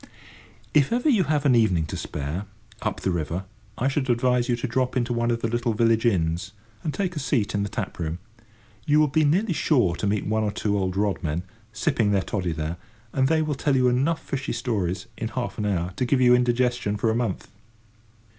If ever you have an evening to spare, up the river, I should advise you to drop into one of the little village inns, and take a seat in the tap room. You will be nearly sure to meet one or two old rod men, sipping their toddy there, and they will tell you enough fishy stories, in half an hour, to give you indigestion for a month.